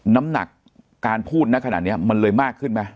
น้ำหนักการพูดนะขนาดนี้มันเลยมากขึ้นไหม